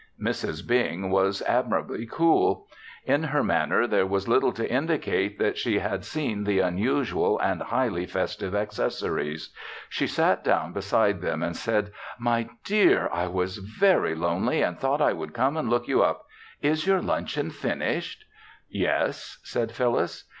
Mrs. Bing was admirably cool. In her manner there was little to indicate that she had seen the unusual and highly festive accessories. She sat down beside them and said, "My dear, I was very lonely and thought I would come and look you up. Is your luncheon finished?" "Yes," said Phyllis.